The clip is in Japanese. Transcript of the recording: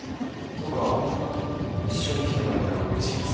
僕は一緒に来てもらえたらうれしいです。